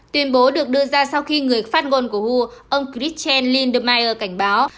tuyên bố được đưa ra sau khi người phát ngôn của huu ông christian lindemeyer cảnh báo